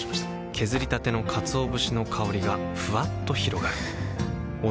削りたてのかつお節の香りがふわっと広がるはぁ。